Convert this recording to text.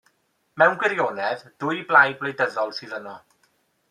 Mewn gwirionedd, dwy blaid wleidyddol sydd yno.